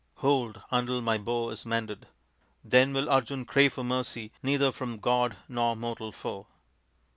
Hold, until my bow is mended. Then will Arjun crave for mercy neither from god nor mortal foe."